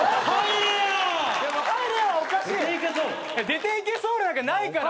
「出ていけソウル」なんかないから。